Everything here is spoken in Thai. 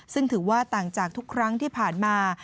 ซึ่งถือว่าต่างจากทุกครั้งที่ผ่านมา